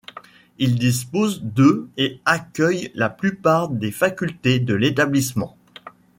Il dispose de et accueille la plupart des facultés de l'établissement.